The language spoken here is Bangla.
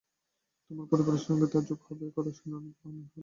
তোমার পরিবারের সঙ্গে তার যোগ হবে এ কথা শুনে সে তো আহ্লাদে নেচে উঠল।